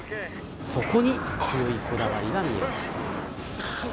そこに強いこだわりが見えます。